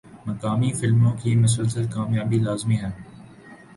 مقامی فلموں کی مسلسل کامیابی لازمی ہے۔